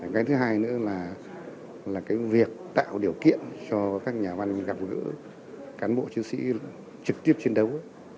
cái thứ hai nữa là cái việc tạo điều kiện cho các nhà văn gặp gỡ cán bộ chiến sĩ trực tiếp chiến đấu